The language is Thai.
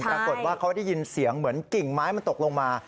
ปรากฏว่าเขาได้ยินเสียงเหมือนกิ่งไม้มันตกลงมา